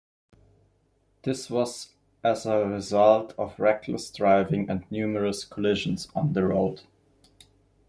This was as a result of reckless driving and numerous collisions on the road.